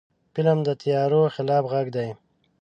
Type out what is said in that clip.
فلم د تیارو خلاف غږ دی